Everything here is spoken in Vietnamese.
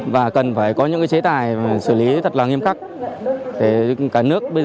và cần phải có những chế tài xử lý thật là nghiêm khắc